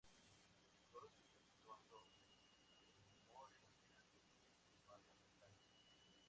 Todos, exceptuando Elmore, eran parlamentarios.